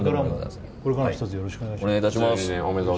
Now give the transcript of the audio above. これからもひとつよろしくお願いします。